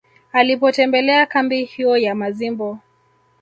Alipotembelea kambi hiyo ya Mazimbu